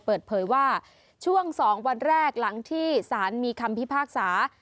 เปิดเผยว่าช่วง๒วันแรกหลังที่สารมีคำพิพากษา